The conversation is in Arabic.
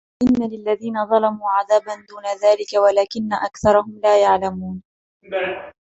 وَإِنَّ لِلَّذِينَ ظَلَمُوا عَذَابًا دُونَ ذَلِكَ وَلَكِنَّ أَكْثَرَهُمْ لا يَعْلَمُونَ